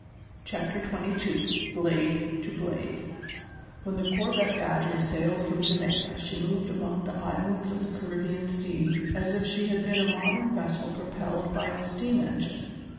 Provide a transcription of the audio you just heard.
CHAPTER XXII BLADE TO BLADE When the corvette Badger sailed from Jamaica she moved among the islands of the Caribbean Sea as if she had been a modern vessel propelled by a steam engine.